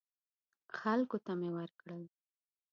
خلکو ته مې ورکړل.